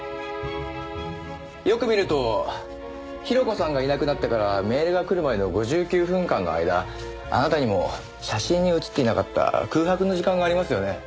よく見ると広子さんがいなくなってからメールが来るまでの５９分間の間あなたにも写真に写っていなかった空白の時間がありますよね。